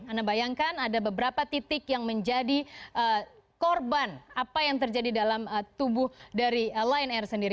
anda bayangkan ada beberapa titik yang menjadi korban apa yang terjadi dalam tubuh dari lion air sendiri